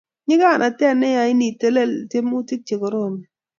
Nyikanit neyain itelel tiemutik che koromen